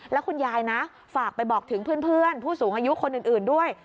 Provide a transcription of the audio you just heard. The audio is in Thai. แล้วคุณยายนะฝากไปบอกถึงเพื่อนผู้สูงอายุคนอื่นด้วย